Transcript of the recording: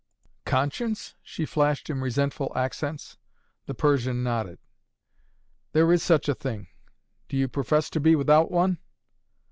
"Conscience?" she flashed in resentful accents. The Persian nodded. "There is such a thing. Do you profess to be without one?"